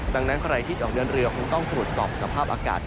ดังนั้นใครที่จะออกเดินเรือคงต้องตรวจสอบสภาพอากาศ